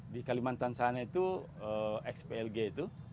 di kalimantan sana itu xplg itu